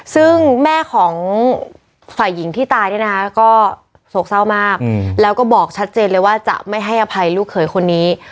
ซึ่งแม่ของฝ่ายหญิงที่ตายเนี่ยนะคะก็โศกเศร้ามากแล้วก็บอกชัดเจนเลยว่าจะไม่ให้อภัยลูกเขยคนนี้